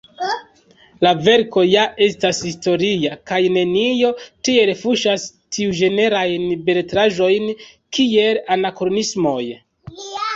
La verko ja estas historia, kaj nenio tiel fuŝas tiuĝenrajn beletraĵojn kiel anakronismoj.